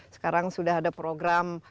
sekarang sudah ada program